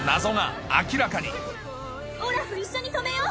オラフ一緒に止めよう！